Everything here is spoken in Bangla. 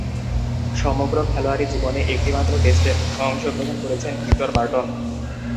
সমগ্র খেলোয়াড়ী জীবনে একটিমাত্র টেস্টে অংশগ্রহণ করেছেন ভিক্টর বার্টন।